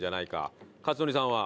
克典さんは？